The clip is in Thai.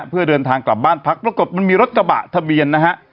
เพื่อเดินทางกลับบ้านพักปรากฏมันมีรถกระบะทะเบียนนะฮะ